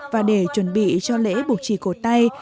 và để chuẩn bị cho lễ buộc chỉ cổ tay